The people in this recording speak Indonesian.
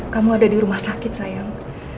kamu ada di rumah sakit sayang